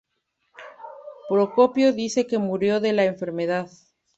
Procopio dice que murió de la enfermedad.